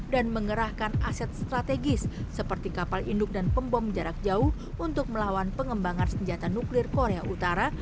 dan mengerahkan aset strategis seperti kapal induk dan pembom jarak jauh untuk melawan pengembangan senjata nuklir korea utara